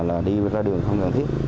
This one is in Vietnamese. là đi ra đường không cần thiết